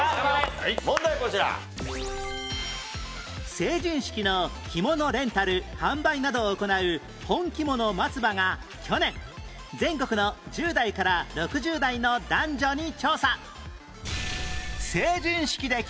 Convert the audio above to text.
成人式の着物レンタル販売などを行う本きもの松葉が去年全国の１０代から６０代の男女に調査